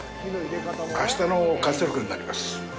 あしたの活力になります。